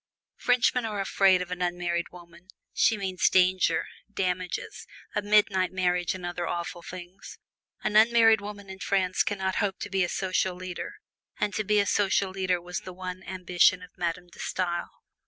Frenchmen are afraid of an unmarried woman she means danger, damages, a midnight marriage and other awful things. An unmarried woman in France can not hope to be a social leader; and to be a social leader was the one ambition of Madame De Stael.